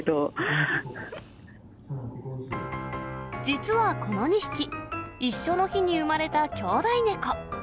実はこの２匹、一緒の日に生まれた兄弟猫。